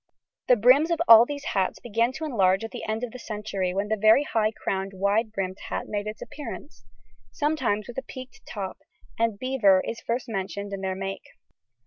The brims of all the hats began to enlarge at the end of the century when the very high crowned wide brimmed hat made its appearance, sometimes with a peaked top, and beaver is first mentioned in their make.